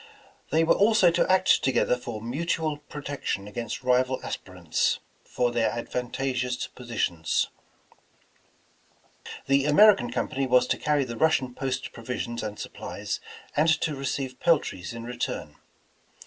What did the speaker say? They were also to act together for mutual protection against rival as pirants for their advantageous positions. The American Company was to carry the Russian post provisions and supplies and to receive pel tries in return.